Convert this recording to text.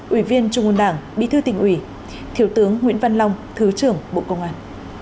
ủy viên trung ương đảng bí thư tỉnh ủy thiếu tướng nguyễn văn long thứ trưởng bộ công an